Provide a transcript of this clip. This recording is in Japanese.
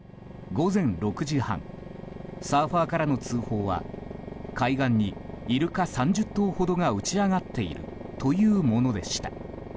午前６時半サーファーからの通報は海岸にイルカ３０頭ほどが打ち揚がっているというものでした。